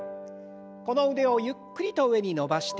この腕をゆっくりと上に伸ばして。